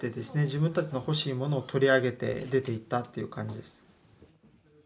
自分たちの欲しいものを取り上げて出ていったっていう感じです。